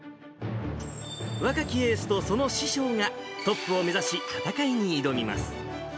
若きエースとその師匠が、トップを目指し戦いに挑みます。